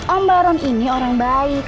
om baron ini orang baik